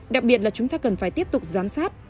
đặc biệt là chúng ta cần phải tiếp tục giám sát